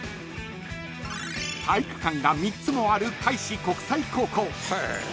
［体育館が３つもある開志国際高校］